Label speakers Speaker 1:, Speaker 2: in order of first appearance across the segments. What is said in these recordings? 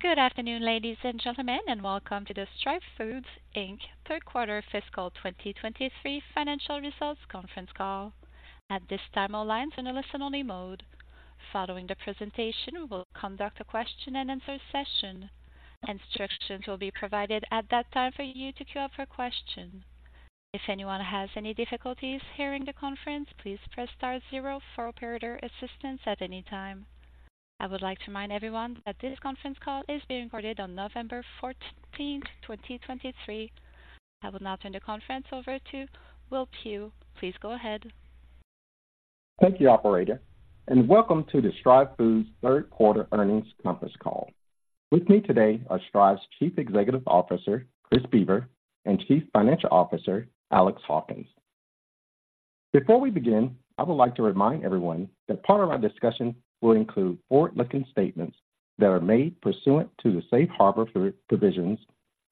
Speaker 1: Good afternoon, ladies and gentlemen, and welcome to the Stryve Foods Inc Third Quarter Fiscal 2023 Financial Results Conference Call. At this time, all lines in a listen-only mode. Following the presentation, we will conduct a question-and-answer session. Instructions will be provided at that time for you to queue up for a question. If anyone has any difficulties hearing the conference, please press star zero for operator assistance at any time. I would like to remind everyone that this conference call is being recorded on November fourteenth, 2023. I will now turn the conference over to Will Pugh. Please go ahead.
Speaker 2: Thank you, operator, and welcome to the Stryve Foods Third Quarter Earnings Conference Call. With me today are Stryve's Chief Executive Officer, Chris Boever, and Chief Financial Officer, Alex Hawkins. Before we begin, I would like to remind everyone that part of our discussion will include forward-looking statements that are made pursuant to the safe harbor provisions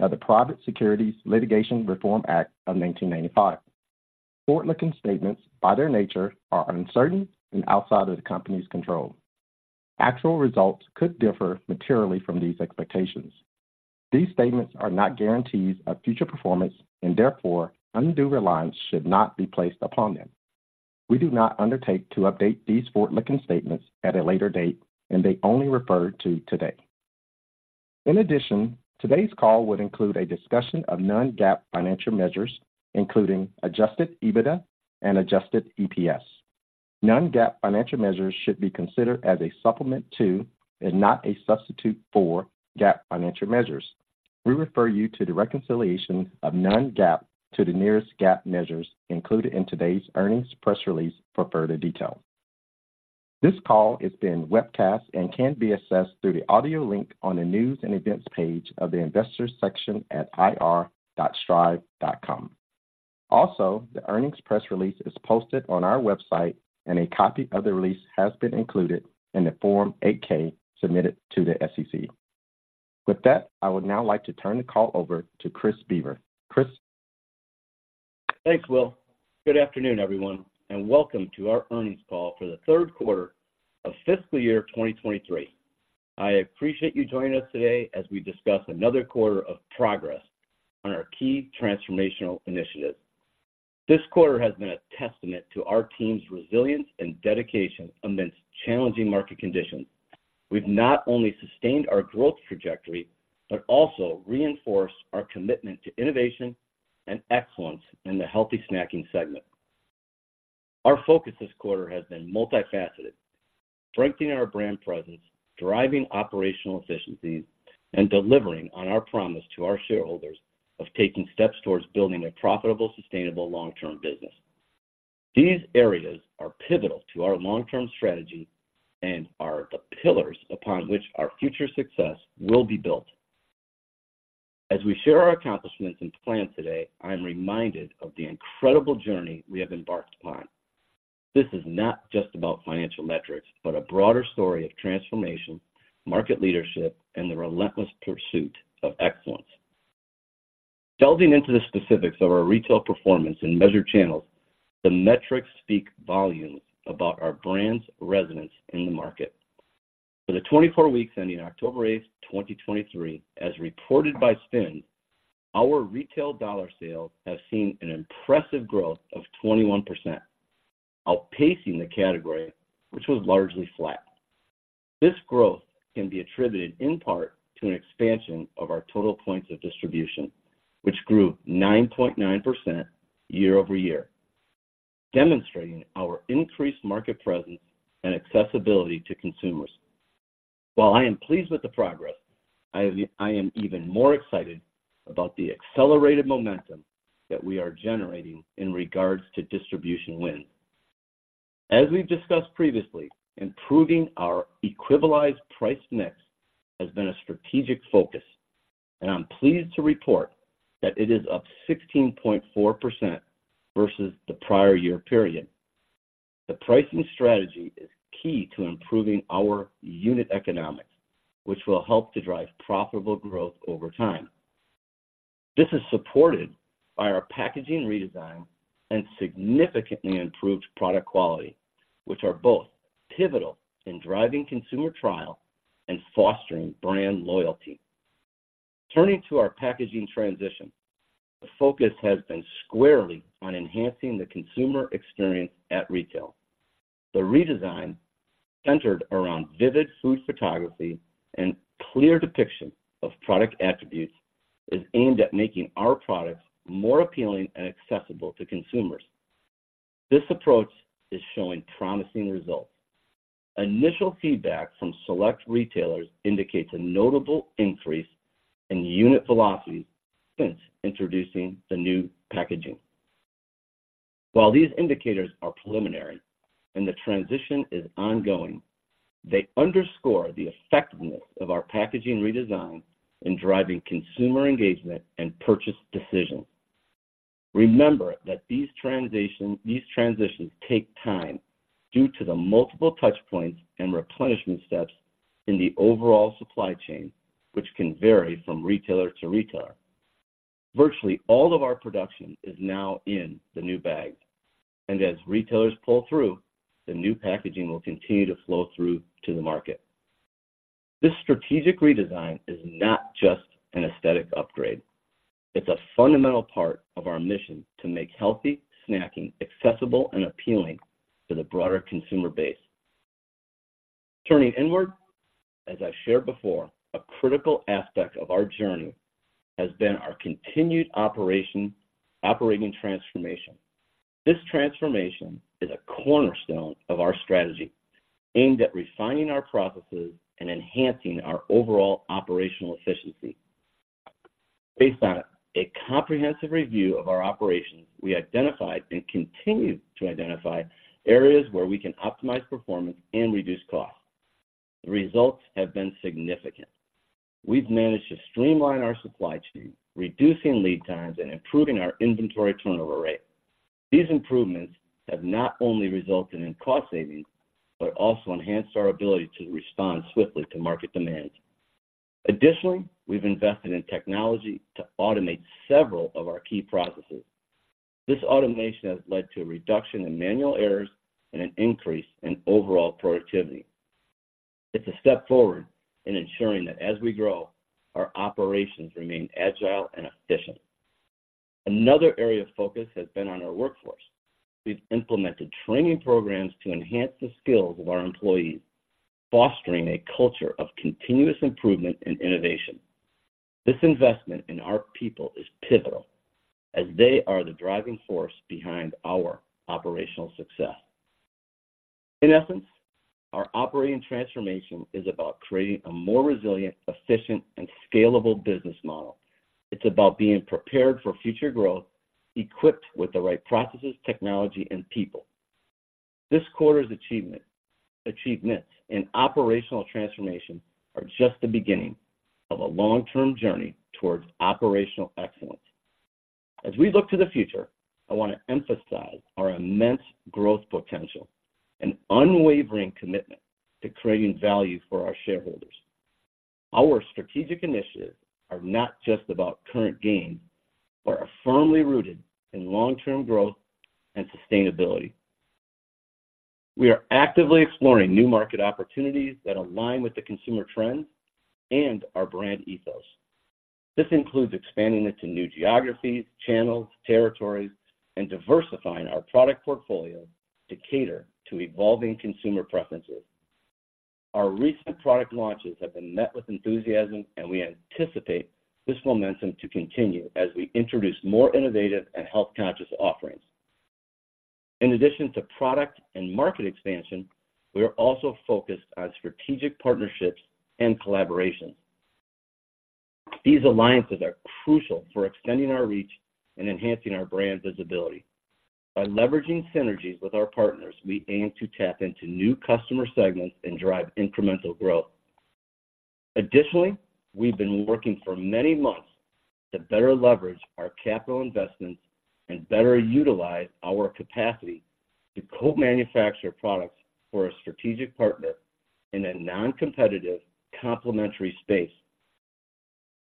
Speaker 2: of the Private Securities Litigation Reform Act of 1995. Forward-looking statements, by their nature, are uncertain and outside of the company's control. Actual results could differ materially from these expectations. These statements are not guarantees of future performance and therefore undue reliance should not be placed upon them. We do not undertake to update these forward-looking statements at a later date, and they only refer to today. In addition, today's call would include a discussion of non-GAAP financial measures, including Adjusted EBITDA and Adjusted EPS. Non-GAAP financial measures should be considered as a supplement to, and not a substitute for, GAAP financial measures. We refer you to the reconciliation of non-GAAP to the nearest GAAP measures included in today's earnings press release for further detail. This call is being webcast and can be accessed through the audio link on the News and Events page of the Investors section at ir.stryve.com. Also, the earnings press release is posted on our website, and a copy of the release has been included in the Form 8-K submitted to the SEC. With that, I would now like to turn the call over to Chris Boever. Chris?
Speaker 3: Thanks, Will. Good afternoon, everyone, and welcome to our earnings call for the third quarter of fiscal year 2023. I appreciate you joining us today as we discuss another quarter of progress on our key transformational initiatives. This quarter has been a testament to our team's resilience and dedication amidst challenging market conditions. We've not only sustained our growth trajectory, but also reinforced our commitment to innovation and excellence in the healthy snacking segment. Our focus this quarter has been multifaceted: strengthening our brand presence, driving operational efficiencies, and delivering on our promise to our shareholders of taking steps towards building a profitable, sustainable long-term business. These areas are pivotal to our long-term strategy and are the pillars upon which our future success will be built. As we share our accomplishments and plans today, I am reminded of the incredible journey we have embarked upon. This is not just about financial metrics, but a broader story of transformation, market leadership, and the relentless pursuit of excellence. Delving into the specifics of our retail performance in measured channels, the metrics speak volumes about our brand's resonance in the market. For the 24 weeks ending October 8, 2023, as reported by SPINS, our retail dollar sales have seen an impressive growth of 21%, outpacing the category, which was largely flat. This growth can be attributed in part to an expansion of our total points of distribution, which grew 9.9% year-over-year, demonstrating our increased market presence and accessibility to consumers. While I am pleased with the progress, I am even more excited about the accelerated momentum that we are generating in regards to distribution wins. As we've discussed previously, improving our Equivalized Price Mix has been a strategic focus, and I'm pleased to report that it is up 16.4% versus the prior-year period. The pricing strategy is key to improving our Unit Economics, which will help to drive profitable growth over time. This is supported by our packaging redesign and significantly improved product quality, which are both pivotal in driving consumer trial and fostering brand loyalty. Turning to our packaging transition, the focus has been squarely on enhancing the consumer experience at retail. The redesign, centered around vivid food photography and clear depiction of product attributes, is aimed at making our products more appealing and accessible to consumers. This approach is showing promising results. Initial feedback from select retailers indicates a notable increase in unit velocity since introducing the new packaging. While these indicators are preliminary and the transition is ongoing, they underscore the effectiveness of our packaging redesign in driving consumer engagement and purchase decisions. Remember that these transition, these transitions take time due to the multiple touch points and replenishment steps in the overall supply chain, which can vary from retailer to retailer—virtually all of our production is now in the new bag, and as retailers pull through, the new packaging will continue to flow through to the market. This strategic redesign is not just an aesthetic upgrade. It's a fundamental part of our mission to make healthy snacking accessible and appealing to the broader consumer base. Turning inward, as I've shared before, a critical aspect of our journey has been our continued operating transformation. This transformation is a cornerstone of our strategy, aimed at refining our processes and enhancing our overall operational efficiency. Based on a comprehensive review of our operations, we identified and continue to identify areas where we can optimize performance and reduce costs. The results have been significant. We've managed to streamline our supply chain, reducing lead times, and improving our inventory turnover rate. These improvements have not only resulted in cost savings, but also enhanced our ability to respond swiftly to market demands. Additionally, we've invested in technology to automate several of our key processes. This automation has led to a reduction in manual errors and an increase in overall productivity. It's a step forward in ensuring that as we grow, our operations remain agile and efficient. Another area of focus has been on our workforce. We've implemented training programs to enhance the skills of our employees, fostering a culture of continuous improvement and innovation. This investment in our people is pivotal as they are the driving force behind our operational success. In essence, our operating transformation is about creating a more resilient, efficient, and scalable business model. It's about being prepared for future growth, equipped with the right processes, technology, and people. This quarter's achievements in operational transformation are just the beginning of a long-term journey towards operational excellence. As we look to the future, I want to emphasize our immense growth potential and unwavering commitment to creating value for our shareholders. Our strategic initiatives are not just about current gains, but are firmly rooted in long-term growth and sustainability. We are actively exploring new market opportunities that align with the consumer trends and our brand ethos. This includes expanding into new geographies, channels, territories, and diversifying our product portfolio to cater to evolving consumer preferences. Our recent product launches have been met with enthusiasm, and we anticipate this momentum to continue as we introduce more innovative and health-conscious offerings. In addition to product and market expansion, we are also focused on strategic partnerships and collaborations. These alliances are crucial for extending our reach and enhancing our brand visibility. By leveraging synergies with our partners, we aim to tap into new customer segments and drive incremental growth. Additionally, we've been working for many months to better leverage our capital investments and better utilize our capacity to co-manufacture products for a strategic partner in a non-competitive, complementary space.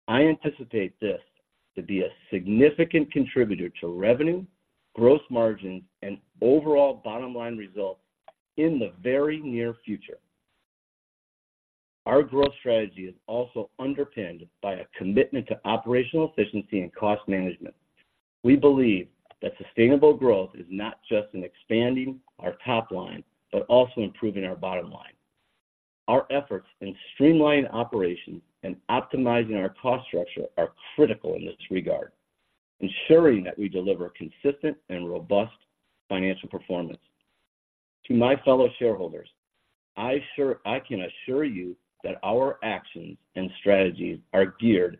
Speaker 3: I anticipate this to be a significant contributor to revenue, gross margins, and overall bottom line results in the very near future. Our growth strategy is also underpinned by a commitment to operational efficiency and cost management. We believe that sustainable growth is not just in expanding our top line, but also improving our bottom line. Our efforts in streamlining operations and optimizing our cost structure are critical in this regard, ensuring that we deliver consistent and robust financial performance. To my fellow shareholders, I can assure you that our actions and strategies are geared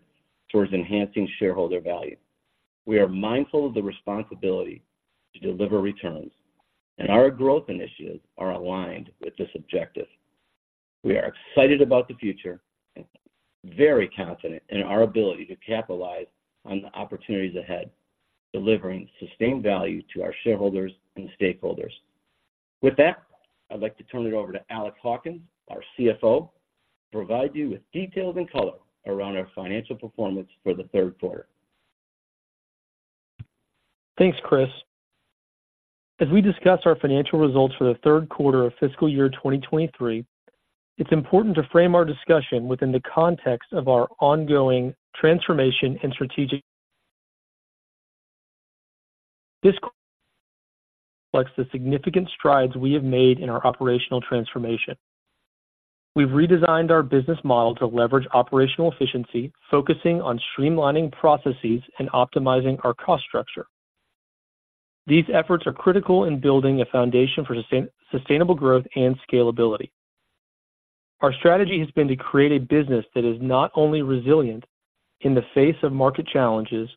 Speaker 3: towards enhancing shareholder value. We are mindful of the responsibility to deliver returns, and our growth initiatives are aligned with this objective. We are excited about the future and very confident in our ability to capitalize on the opportunities ahead, delivering sustained value to our shareholders and stakeholders. With that, I'd like to turn it over to Alex Hawkins, our CFO, to provide you with details and color around our financial performance for the third quarter.
Speaker 4: Thanks, Chris. As we discuss our financial results for the third quarter of fiscal year 2023, it's important to frame our discussion within the context of our ongoing transformation and strategic—this reflects the significant strides we have made in our operational transformation. We've redesigned our business model to leverage operational efficiency, focusing on streamlining processes and optimizing our cost structure. These efforts are critical in building a foundation for sustainable growth and scalability. Our strategy has been to create a business that is not only resilient in the face of market challenges,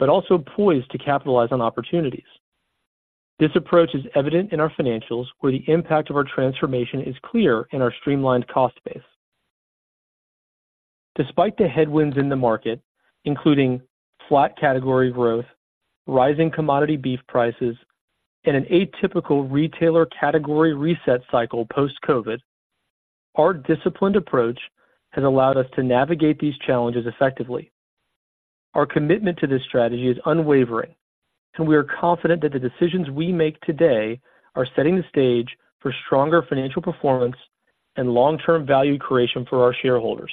Speaker 4: but also poised to capitalize on opportunities. This approach is evident in our financials, where the impact of our transformation is clear in our streamlined cost base. Despite the headwinds in the market, including flat category growth, rising commodity beef prices, and an atypical retailer category reset cycle post-COVID. Our disciplined approach has allowed us to navigate these challenges effectively. Our commitment to this strategy is unwavering, and we are confident that the decisions we make today are setting the stage for stronger financial performance and long-term value creation for our shareholders.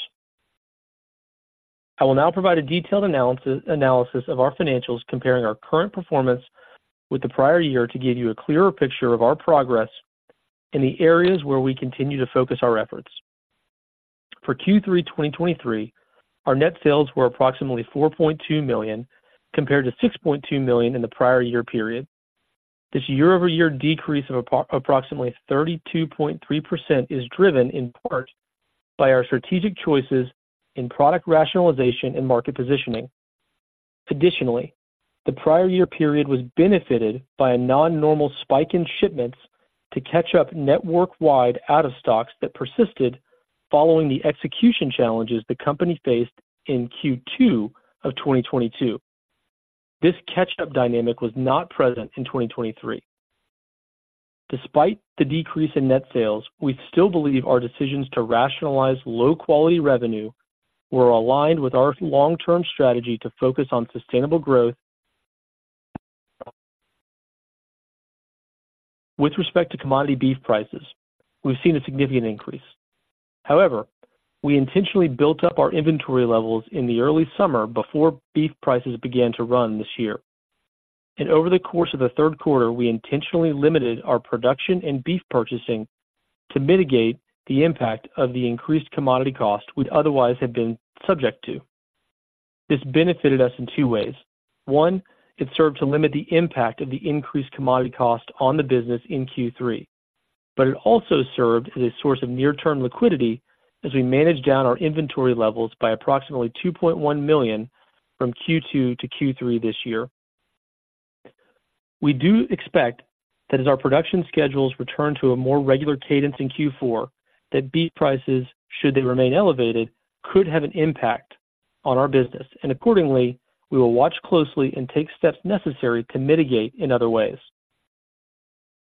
Speaker 4: I will now provide a detailed analysis of our financials, comparing our current performance with the prior-year, to give you a clearer picture of our progress in the areas where we continue to focus our efforts. For Q3 2023, our net sales were approximately $4.2 million, compared to $6.2 million in the prior-year period. This year-over-year decrease of approximately 32.3% is driven in part by our strategic choices in product rationalization and market positioning. Additionally, the prior-year period was benefited by a non-normal spike in shipments to catch up network-wide out-of-stocks that persisted following the execution challenges the company faced in Q2 of 2022. This catch-up dynamic was not present in 2023. Despite the decrease in net sales, we still believe our decisions to rationalize low-quality revenue were aligned with our long-term strategy to focus on sustainable growth. With respect to commodity beef prices, we've seen a significant increase. However, we intentionally built up our inventory levels in the early summer before beef prices began to run this year. Over the course of the third quarter, we intentionally limited our production and beef purchasing to mitigate the impact of the increased commodity costs we'd otherwise have been subject to. This benefited us in two ways. One, it served to limit the impact of the increased commodity costs on the business in Q3, but it also served as a source of near-term liquidity as we managed down our inventory levels by approximately $2.1 million from Q2 to Q3 this year. We do expect that as our production schedules return to a more regular cadence in Q4, that beef prices, should they remain elevated, could have an impact on our business, and accordingly, we will watch closely and take steps necessary to mitigate in other ways.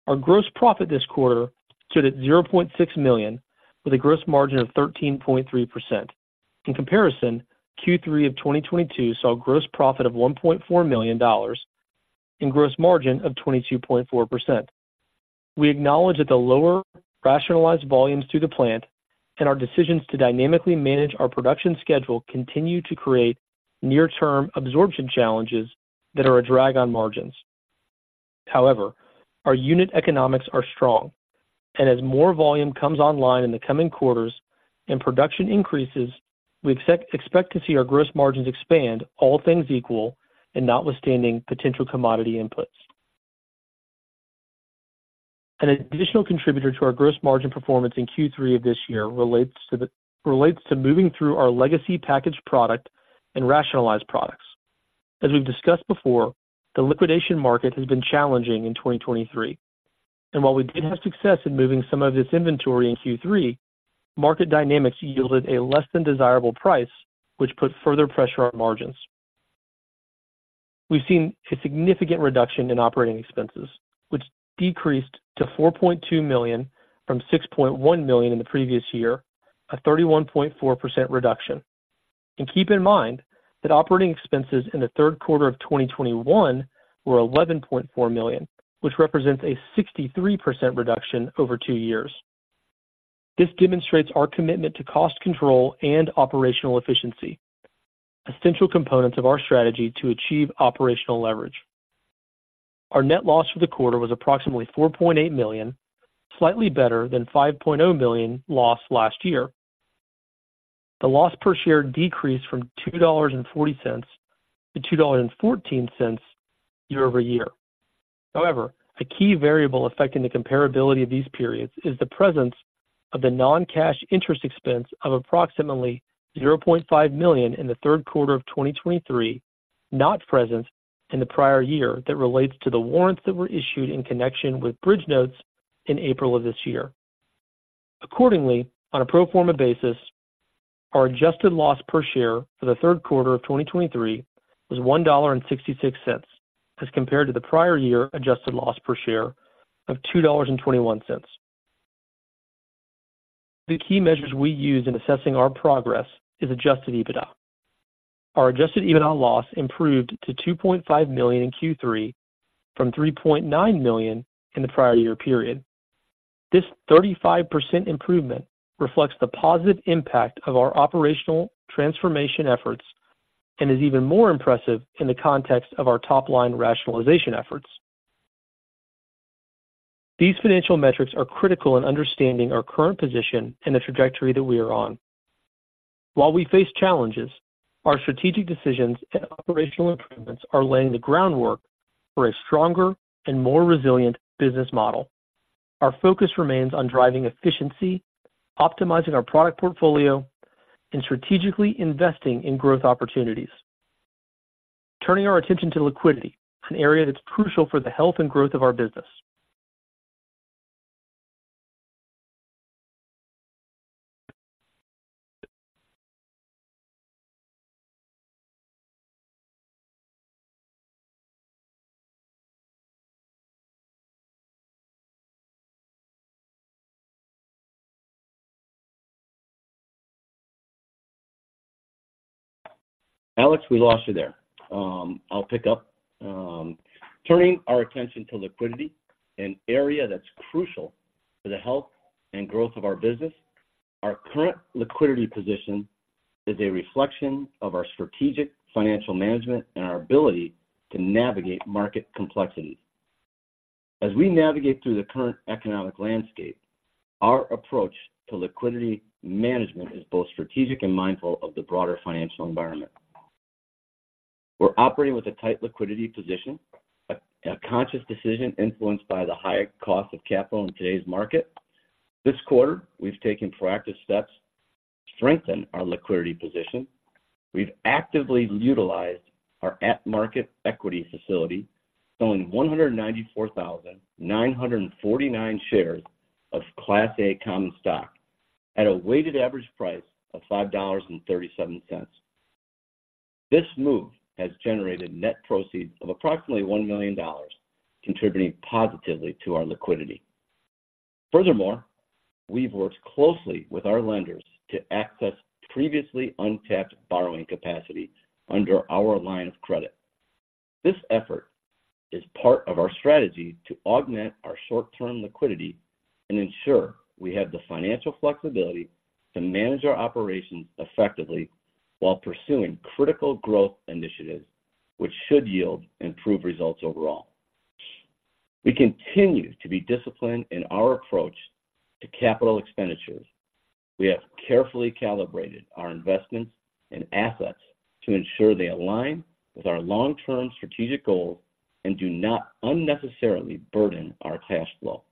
Speaker 4: Our gross profit this quarter stood at $0.6 million, with a gross margin of 13.3%. In comparison, Q3 of 2022 saw gross profit of $1.4 million and gross margin of 22.4%. We acknowledge that the lower rationalized volumes through the plant and our decisions to dynamically manage our production schedule continue to create near-term absorption challenges that are a drag on margins. However, our Unit Economics are strong, and as more volume comes online in the coming quarters and production increases, we expect to see our gross margins expand, all things equal and notwithstanding potential commodity inputs. An additional contributor to our gross margin performance in Q3 of this year relates to moving through our legacy packaged product and rationalized products. As we've discussed before, the liquidation market has been challenging in 2023, and while we did have success in moving some of this inventory in Q3, market dynamics yielded a less than desirable price, which put further pressure on margins. We've seen a significant reduction in operating expenses, which decreased to $4.2 million from $6.1 million in the previous year, a 31.4% reduction. Keep in mind that operating expenses in the third quarter of 2021 were $11.4 million, which represents a 63% reduction over two years. This demonstrates our commitment to cost control and operational efficiency, essential components of our strategy to achieve operational leverage. Our net loss for the quarter was approximately $4.8 million, slightly better than $5.0 million loss last year. The loss per share decreased from $2.40 to $2.14 year-over-year. However, a key variable affecting the comparability of these periods is the presence of the non-cash interest expense of approximately $0.5 million in the third quarter of 2023, not present in the prior-year, that relates to the warrants that were issued in connection with bridge notes in April of this year. Accordingly, on a pro forma basis, our adjusted loss per share for the third quarter of 2023 was $1.66, as compared to the prior-year adjusted loss per share of $2.21. The key measures we use in assessing our progress is Adjusted EBITDA. Our Adjusted EBITDA loss improved to $2.5 million in Q3 from $3.9 million in the prior-year period. This 35% improvement reflects the positive impact of our operational transformation efforts and is even more impressive in the context of our top-line rationalization efforts. These financial metrics are critical in understanding our current position and the trajectory that we are on. While we face challenges, our strategic decisions and operational improvements are laying the groundwork for a stronger and more resilient business model. Our focus remains on driving efficiency, optimizing our product portfolio, and strategically investing in growth opportunities. Turning our attention to liquidity, an area that's crucial for the health and growth of our business.
Speaker 3: Alex, we lost you there. I'll pick up. Turning our attention to liquidity, an area that's crucial for the health and growth of our business. Our current liquidity position is a reflection of our strategic financial management and our ability to navigate market complexities. As we navigate through the current economic landscape, our approach to liquidity management is both strategic and mindful of the broader financial environment. We're operating with a tight liquidity position, a conscious decision influenced by the higher cost of capital in today's market. This quarter, we've taken proactive steps to strengthen our liquidity position. We've actively utilized our at-the-market equity facility, selling 194,949 shares of Class A common stock at a weighted average price of $5.37. This move has generated net proceeds of approximately $1 million, contributing positively to our liquidity. Furthermore, we've worked closely with our lenders to access previously untapped borrowing capacity under our line of credit. This effort is part of our strategy to augment our short-term liquidity and ensure we have the financial flexibility to manage our operations effectively while pursuing critical growth initiatives, which should yield improved results overall. We continue to be disciplined in our approach to capital expenditures. We have carefully calibrated our investments and assets to ensure they align with our long-term strategic goals and do not unnecessarily burden our cash flow.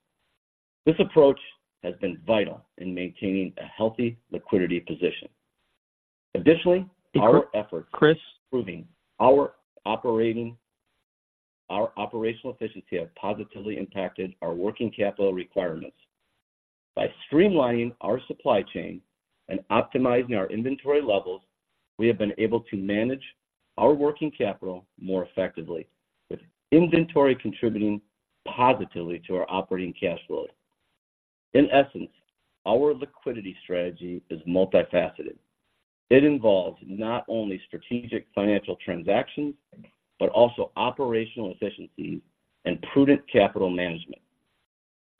Speaker 3: This approach has been vital in maintaining a healthy liquidity position. Additionally, our effort—
Speaker 4: Chris?
Speaker 3: Improving our operating, our operational efficiency have positively impacted our working capital requirements. By streamlining our supply chain and optimizing our inventory levels, we have been able to manage our working capital more effectively, with inventory contributing positively to our operating cash flow. In essence, our liquidity strategy is multifaceted. It involves not only strategic financial transactions, but also operational efficiencies and prudent capital management.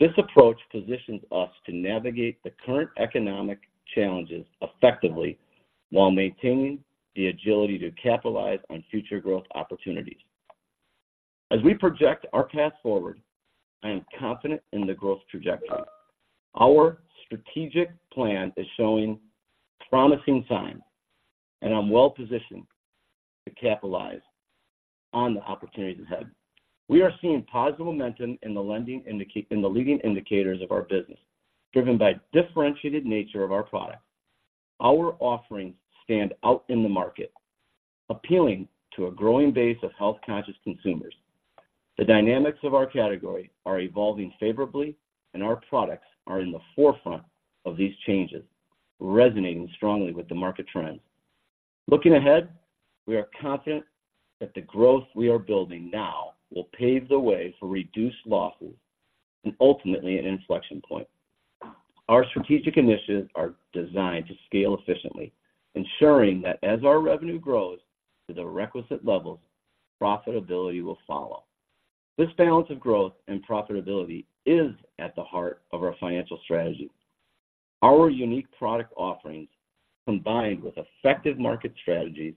Speaker 3: This approach positions us to navigate the current economic challenges effectively while maintaining the agility to capitalize on future growth opportunities. As we project our path forward, I am confident in the growth trajectory. Our strategic plan is showing promising signs, and I'm well-positioned to capitalize on the opportunities ahead. We are seeing positive momentum in the leading indicators of our business, driven by differentiated nature of our product. Our offerings stand out in the market, appealing to a growing base of health-conscious consumers. The dynamics of our category are evolving favorably, and our products are in the forefront of these changes, resonating strongly with the market trends. Looking ahead, we are confident that the growth we are building now will pave the way for reduced losses and ultimately an inflection point. Our strategic initiatives are designed to scale efficiently, ensuring that as our revenue grows to the requisite levels, profitability will follow. This balance of growth and profitability is at the heart of our financial strategy. Our unique product offerings, combined with effective market strategies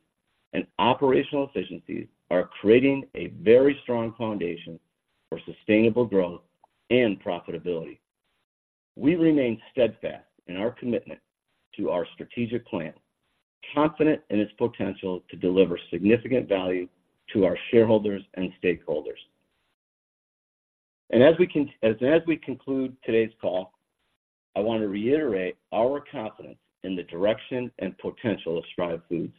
Speaker 3: and operational efficiencies, are creating a very strong foundation for sustainable growth and profitability. We remain steadfast in our commitment to our strategic plan, confident in its potential to deliver significant value to our shareholders and stakeholders. As we conclude today's call, I want to reiterate our confidence in the direction and potential of Stryve Foods.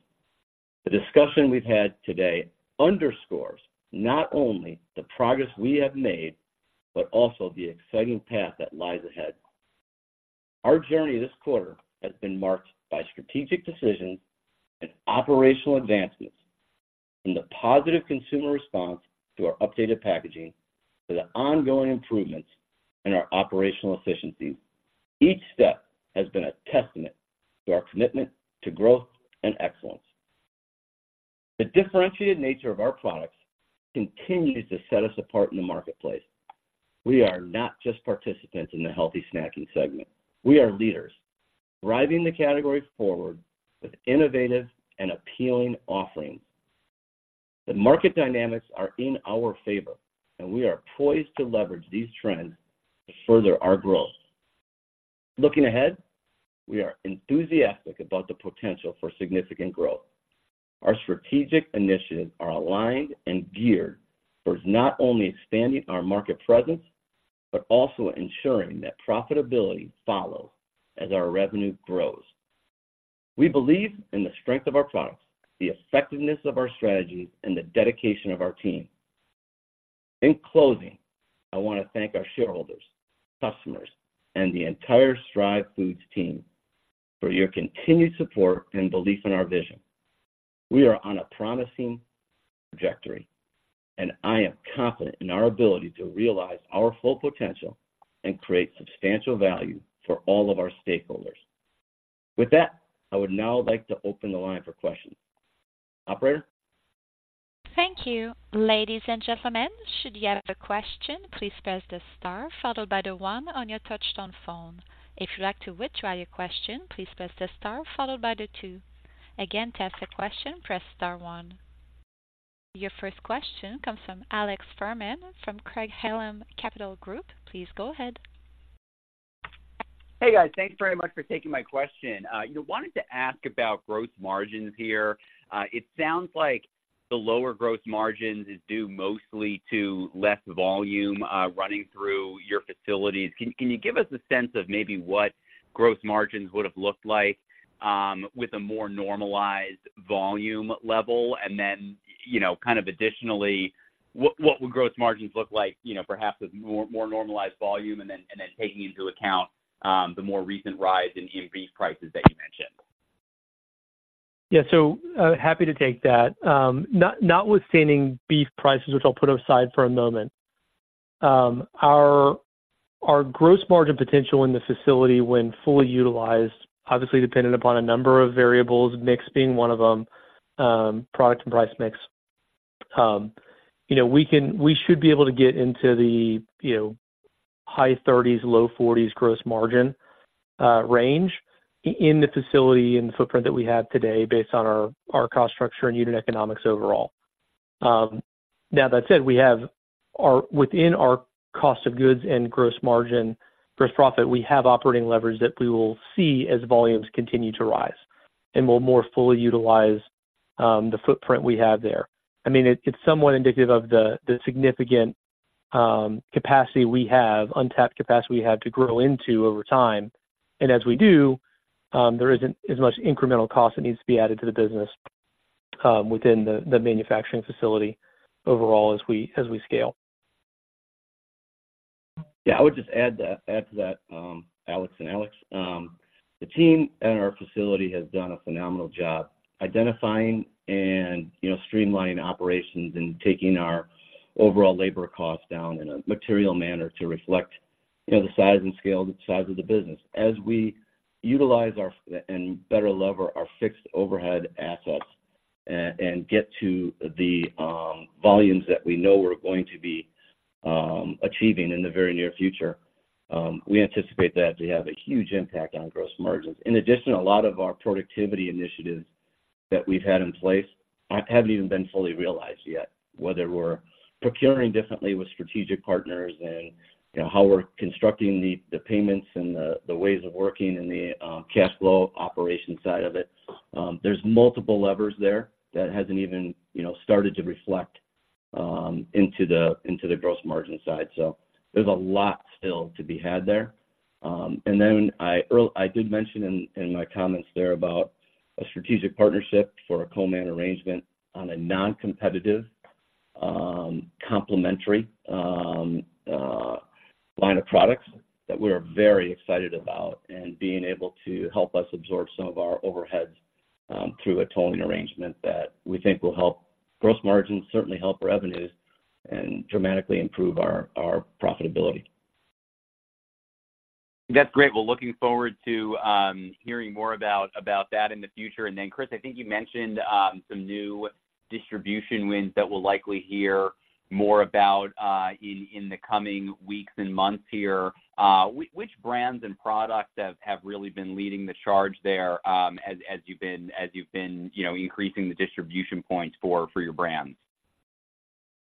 Speaker 3: The discussion we've had today underscores not only the progress we have made, but also the exciting path that lies ahead. Our journey this quarter has been marked by strategic decisions and operational advancements. From the positive consumer response to our updated packaging, to the ongoing improvements in our operational efficiencies, each step has been a testament to our commitment to growth and excellence. The differentiated nature of our products continues to set us apart in the marketplace. We are not just participants in the healthy snacking segment. We are leaders, driving the category forward with innovative and appealing offerings. The market dynamics are in our favor, and we are poised to leverage these trends to further our growth. Looking ahead, we are enthusiastic about the potential for significant growth. Our strategic initiatives are aligned and geared towards not only expanding our market presence, but also ensuring that profitability follows as our revenue grows. We believe in the strength of our products, the effectiveness of our strategies, and the dedication of our team. In closing, I want to thank our shareholders, customers, and the entire Stryve Foods team for your continued support and belief in our vision—we are on a promising trajectory, and I am confident in our ability to realize our full potential and create substantial value for all of our stakeholders. With that, I would now like to open the line for questions. Operator?
Speaker 1: Thank you. Ladies and gentlemen, should you have a question, please press the star followed by the one on your touchtone phone. If you'd like to withdraw your question, please press the star followed by the two. Again, to ask a question, press star one. Your first question comes from Alex Fuhrman from Craig-Hallum Capital Group. Please go ahead.
Speaker 5: Hey, guys. Thanks very much for taking my question. I wanted to ask about gross margins here. It sounds like the lower gross margins is due mostly to less volume running through your facilities. Can you give us a sense of maybe what gross margins would have looked like with a more normalized volume level? And then, you know, kind of additionally, what would gross margins look like, you know, perhaps with more normalized volume and then taking into account the more recent rise in beef prices that you mentioned?
Speaker 4: Yeah. So, happy to take that. Notwithstanding beef prices, which I'll put aside for a moment. Our gross margin potential in this facility when fully utilized, obviously dependent upon a number of variables, mix being one of them, product and price mix. You know, we can—we should be able to get into the, you know, high 30s-low 40s gross margin range in the facility and the footprint that we have today based on our Cost Structure and Unit Economics overall. Now, that said, we have—within our cost of goods and gross margin, gross profit, we have operating leverage that we will see as volumes continue to rise, and we'll more fully utilize the footprint we have there. I mean, it's somewhat indicative of the significant capacity we have, untapped capacity we have to grow into over time. And as we do, there isn't as much incremental cost that needs to be added to the business, within the manufacturing facility overall as we scale.
Speaker 3: Yeah, I would just add to, add to that, Alex and Alex. The team at our facility has done a phenomenal job identifying and, you know, streamlining operations and taking our overall labor costs down in a material manner to reflect, you know, the size and scale, the size of the business. As we utilize our and better lever our fixed overhead assets, and get to the volumes that we know we're going to be achieving in the very near future, we anticipate that to have a huge impact on gross margins. In addition, a lot of our productivity initiatives that we've had in place haven't even been fully realized yet. Whether we're procuring differently with strategic partners and, you know, how we're constructing the payments and the ways of working in the cash flow operation side of it. There's multiple levers there that hasn't even, you know, started to reflect into the gross margin side. So there's a lot still to be had there. And then I did mention in my comments there about a strategic partnership for a co-man arrangement on a non-competitive, complementary line of products that we are very excited about, and being able to help us absorb some of our overheads through a tolling arrangement that we think will help gross margins, certainly help revenues, and dramatically improve our profitability.
Speaker 5: That's great. Well, looking forward to hearing more about that in the future. And then, Chris, I think you mentioned some new distribution wins that we'll likely hear more about in the coming weeks and months here. Which brands and products have really been leading the charge there, as you've been, you know, increasing the distribution points for your brands?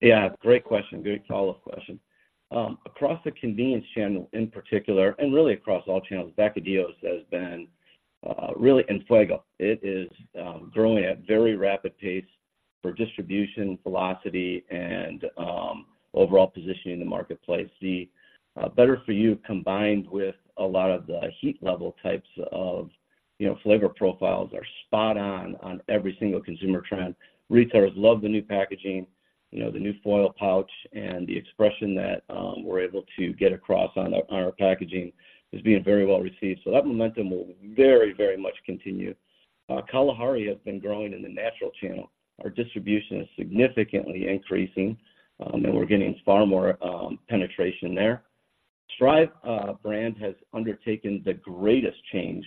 Speaker 3: Yeah, great question. Great follow-up question. Across the convenience channel in particular, and really across all channels, Vacadillos has been really en fuego. It is growing at a very rapid pace for distribution, velocity, and overall positioning in the marketplace. The better for you, combined with a lot of the heat level types of, you know, flavor profiles, are spot on, on every single consumer trend. Retailers love the new packaging, you know, the new foil pouch and the expression that we're able to get across on our, on our packaging is being very well received. So that momentum will very, very much continue. Kalahari has been growing in the natural channel. Our distribution is significantly increasing, and we're getting far more penetration there. Stryve brand has undertaken the greatest change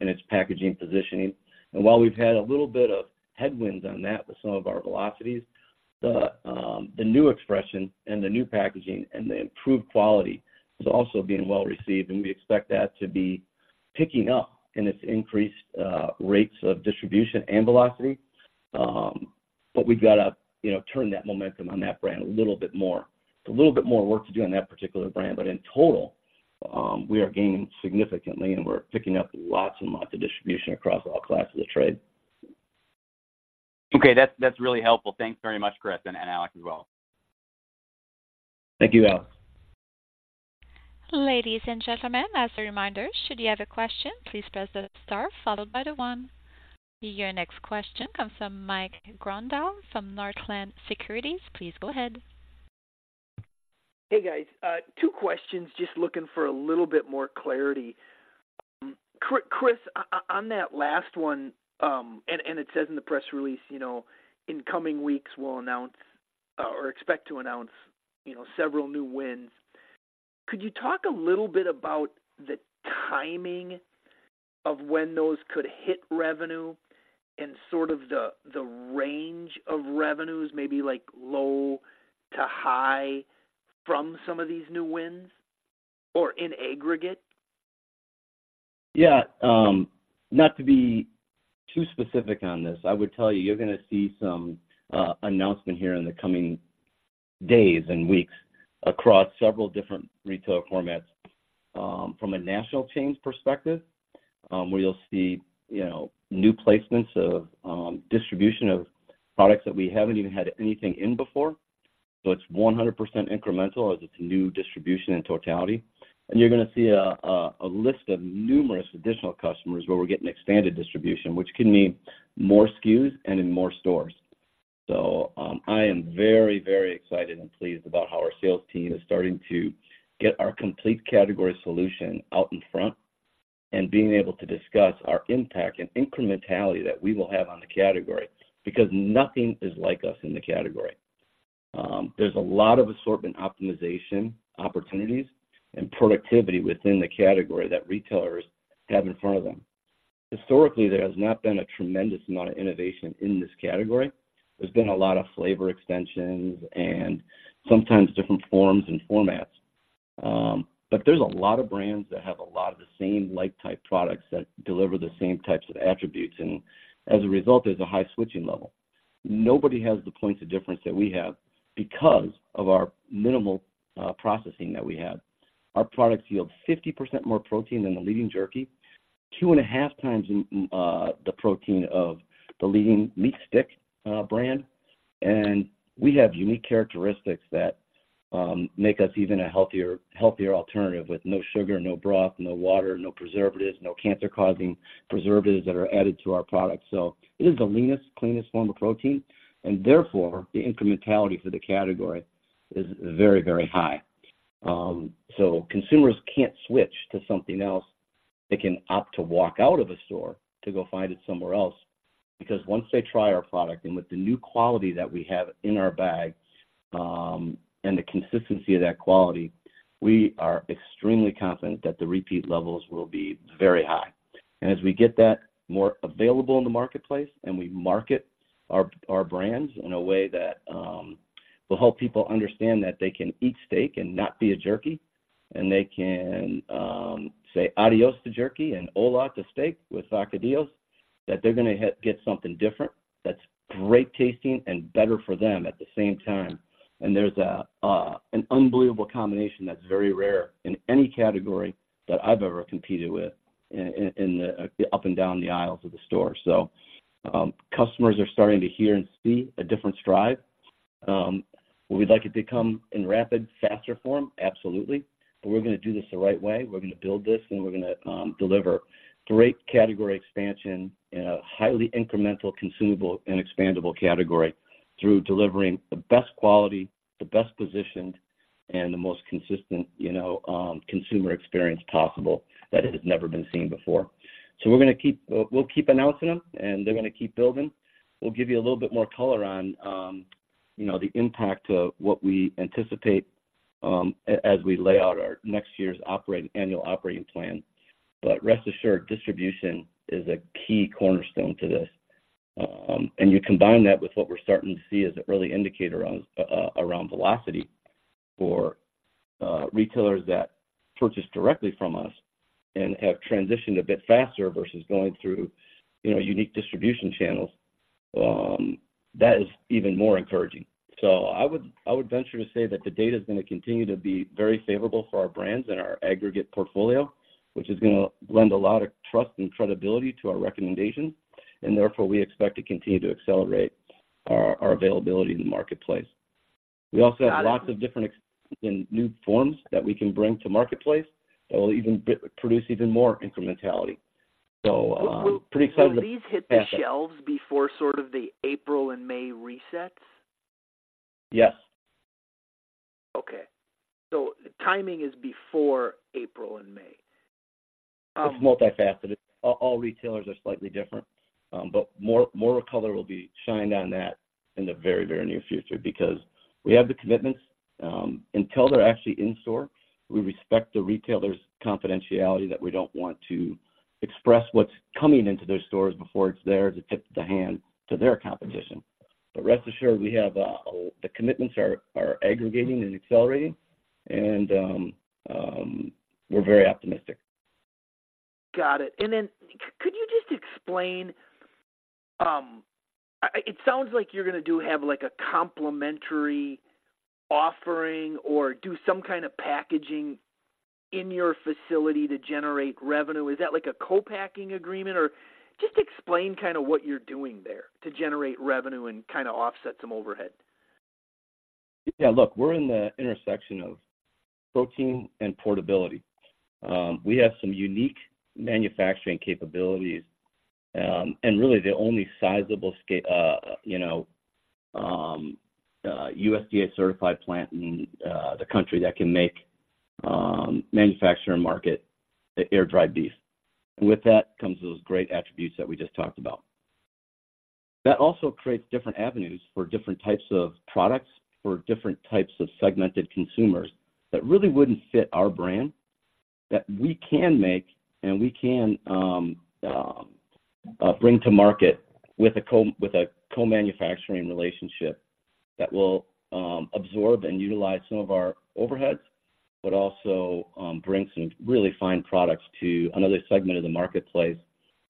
Speaker 3: in its packaging positioning. And while we've had a little bit of headwinds on that with some of our velocities, the new expression and the new packaging and the improved quality is also being well received, and we expect that to be picking up in its increased rates of distribution and velocity. But we've got to, you know, turn that momentum on that brand a little bit more. It's a little bit more work to do on that particular brand, but in total, we are gaining significantly, and we're picking up lots and lots of distribution across all classes of trade.
Speaker 5: Okay. That's, that's really helpful. Thanks very much, Chris and Alex, as well.
Speaker 3: Thank you, Alex.
Speaker 1: Ladies and gentlemen, as a reminder, should you have a question, please press the star followed by the one. Your next question comes from Mike Grondahl from Northland Securities. Please go ahead.
Speaker 6: Hey, guys. Two questions, just looking for a little bit more clarity. Chris, on that last one, it says in the press release, you know, in coming weeks, we'll announce or expect to announce, you know, several new wins. Could you talk a little bit about the timing of when those could hit revenue and sort of the range of revenues, maybe like low to high from some of these new wins or in aggregate?
Speaker 3: Yeah. Not to be too specific on this, I would tell you, you're gonna see some announcement here in the coming days and weeks across several different retail formats. From a national chains perspective, where you'll see, you know, new placements of distribution of products that we haven't even had anything in before. So it's 100% incremental as it's a new distribution in totality. And you're gonna see a list of numerous additional customers where we're getting expanded distribution, which can mean more SKUs and in more stores. So I am very, very excited and pleased about how our sales team is starting to get our complete category solution out in front and being able to discuss our impact and incrementality that we will have on the category, because nothing is like us in the category. There's a lot of assortment optimization opportunities and productivity within the category that retailers have in front of them. Historically, there has not been a tremendous amount of innovation in this category. There's been a lot of flavor extensions and sometimes different forms and formats. But there's a lot of brands that have a lot of the same like type products that deliver the same types of attributes, and as a result, there's a high switching level. Nobody has the points of difference that we have because of our minimal processing that we have. Our products yield 50% more protein than the leading jerky, 2.5 times the protein of the leading meat stick brand. We have unique characteristics that make us even a healthier, healthier alternative with no sugar, no broth, no water, no preservatives, no cancer-causing preservatives that are added to our products. So it is the leanest, cleanest form of protein, and therefore, the incrementality for the category is very, very high. So consumers can't switch to something else. They can opt to walk out of a store to go find it somewhere else, because once they try our product, and with the new quality that we have in our bag, and the consistency of that quality, we are extremely confident that the repeat levels will be very high. And as we get that more available in the marketplace, and we market our brands in a way that will help people understand that they can eat steak and not be a jerky, and they can say adios to jerky and hola to steak with Vacadillos, that they're gonna get something different that's great tasting and better for them at the same time. And there's an unbelievable combination that's very rare in any category that I've ever competed with in the up and down the aisles of the store. So, customers are starting to hear and see a different Stryve. Would we like it to come in rapid, faster form? Absolutely. But we're gonna do this the right way. We're gonna build this, and we're gonna deliver great category expansion in a highly incremental, consumable, and expandable category through delivering the best quality, the best positioned, and the most consistent, you know, consumer experience possible that has never been seen before. So we're gonna we'll keep announcing them, and they're gonna keep building. We'll give you a little bit more color on, you know, the impact of what we anticipate, as we lay out our next year's annual operating plan. But rest assured, distribution is a key cornerstone to this. And you combine that with what we're starting to see as an early indicator around velocity for retailers that purchase directly from us and have transitioned a bit faster versus going through, you know, unique distribution channels. That is even more encouraging. So I would, I would venture to say that the data is gonna continue to be very favorable for our brands and our aggregate portfolio, which is gonna lend a lot of trust and credibility to our recommendations, and therefore, we expect to continue to accelerate our, our availability in the marketplace. We also have lots of different and new forms that we can bring to marketplace that will even produce even more incrementality. So, pretty excited about that.
Speaker 6: Will these hit the shelves before sort of the April and May resets?
Speaker 3: Yes.
Speaker 6: Okay. So the timing is before April and May.
Speaker 3: It's multifaceted. All retailers are slightly different, but more color will be shined on that in the very, very near future because we have the commitments. Until they're actually in store, we respect the retailer's confidentiality that we don't want to express what's coming into their stores before it's there to tip the hand to their competition. But rest assured, we have the commitments are aggregating and accelerating, and we're very optimistic.
Speaker 6: Got it. Then could you just explain—it sounds like you're gonna do have, like, a complementary offering or do some kind of packaging in your facility to generate revenue. Is that like a co-packing agreement? Or just explain kind of what you're doing there to generate revenue and kind of offset some overhead.
Speaker 3: Yeah, look, we're in the intersection of protein and portability. We have some unique manufacturing capabilities and really the only sizable scale, you know, USDA-certified plant in the country that can make, manufacture and market the air-dried beef. And with that comes those great attributes that we just talked about. That also creates different avenues for different types of products, for different types of segmented consumers that really wouldn't fit our brand, that we can make and we can bring to market with a co-manufacturing relationship that will absorb and utilize some of our overheads, but also bring some really fine products to another segment of the marketplace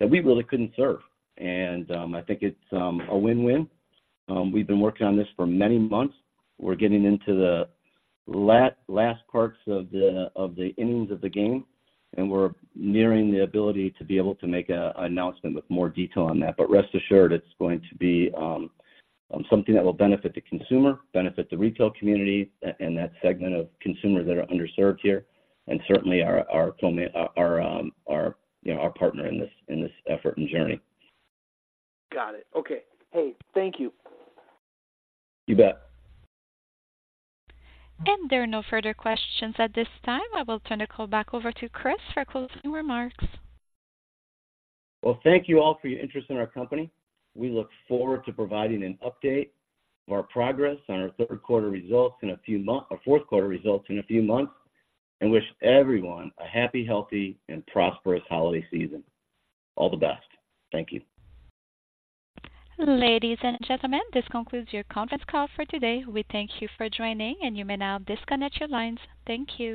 Speaker 3: that we really couldn't serve. And I think it's a win-win. We've been working on this for many months. We're getting into the last parts of the innings of the game, and we're nearing the ability to be able to make an announcement with more detail on that. But rest assured, it's going to be something that will benefit the consumer, benefit the retail community, and that segment of consumers that are underserved here, and certainly our co-man, our you know, our partner in this effort and journey.
Speaker 6: Got it. Okay. Hey, thank you.
Speaker 3: You bet.
Speaker 1: There are no further questions at this time. I will turn the call back over to Chris for closing remarks.
Speaker 3: Well, thank you all for your interest in our company. We look forward to providing an update of our progress on our third quarter results in a few months—or fourth quarter results in a few months, and wish everyone a happy, healthy, and prosperous holiday season. All the best. Thank you.
Speaker 1: Ladies and gentlemen, this concludes your conference call for today. We thank you for joining, and you may now disconnect your lines. Thank you.